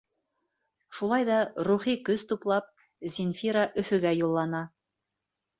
Шулай ҙа рухи көс туплап, Зинфира Өфөгә юллана.